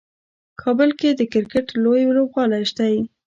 کابل کې د کرکټ لوی لوبغالی شته.